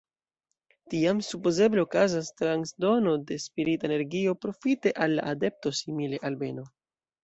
Tiam supozeble okazas transdono de spirita energio profite al la adepto, simile al beno.